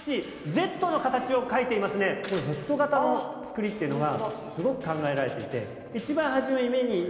このＺ形の作りっていうのがすごく考えられていて。